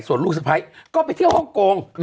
ส่วนลูกสะพ้ายก็ไปเที่ยวฮ่องกง